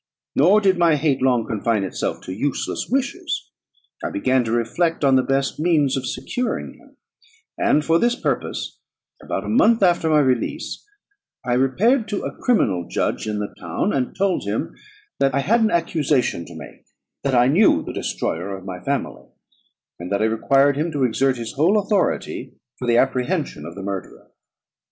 Nor did my hate long confine itself to useless wishes; I began to reflect on the best means of securing him; and for this purpose, about a month after my release, I repaired to a criminal judge in the town, and told him that I had an accusation to make; that I knew the destroyer of my family; and that I required him to exert his whole authority for the apprehension of the murderer.